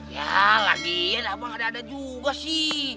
ya lagi ya abang ada ada juga sih